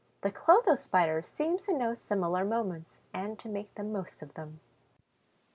The Clotho Spider seems to know similar moments and to make the most of them.